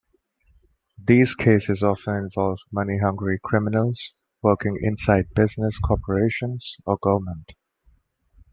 The cases often involve money-hungry criminals working inside business corporations or government.